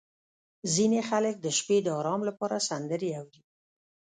• ځینې خلک د شپې د ارام لپاره سندرې اوري.